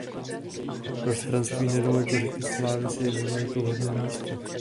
Prostranství nedaleko řeky Sávy se jevilo jako vhodné místo.